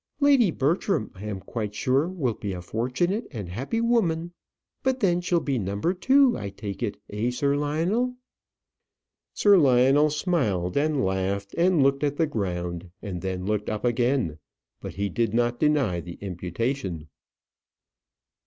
Lady Bertram, I am quite sure, will be a fortunate and happy woman; but then, she'll be number two, I take it. Eh, Sir Lionel?" Sir Lionel smiled and laughed, and looked at the ground, and then looked up again; but he did not deny the imputation.